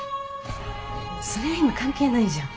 それは今関係ないじゃん。